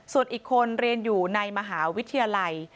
ส่วนอีกคนเรียนอยู่ในมหาวิทยาลัย